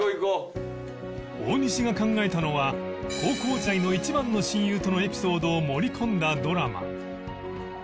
大西が考えたのは高校時代の一番の親友とのエピソードを盛り込んだドラマ